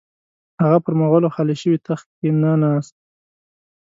هغه پر مغولو خالي شوي تخت کښې نه ناست.